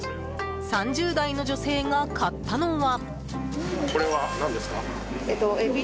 ３０代の女性が買ったのは。